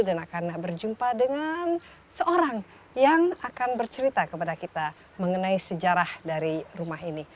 dan akan berjumpa dengan seorang yang akan bercerita kepada kita mengenai sejarah dari rumah ini